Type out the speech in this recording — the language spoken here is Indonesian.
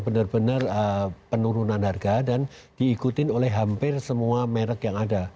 benar benar penurunan harga dan diikutin oleh hampir semua merek yang ada